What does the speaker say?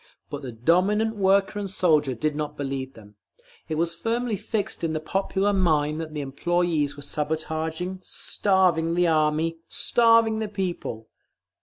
But the dominant worker and soldier did not believe them; it was firmly fixed in the popular mind that the employees were sabotaging, starving the Army, starving the people….